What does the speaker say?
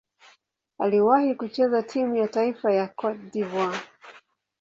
Aliwahi kucheza timu ya taifa ya Cote d'Ivoire.